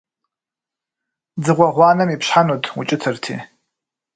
Дзыгъуэ гъуанэм ипщхьэнут, укӀытэрти.